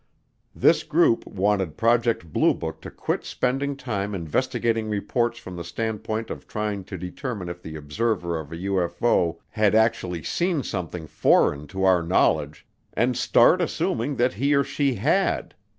This group wanted Project Blue Book to quit spending time investigating reports from the standpoint of trying to determine if the observer of a UFO had actually seen something foreign to our knowledge and start assuming that he or she had.